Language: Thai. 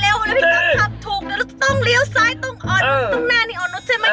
แล้วเราต้องเลี้ยวซ้ายต้องแม่นี่อ่อนนุดใช่ไหม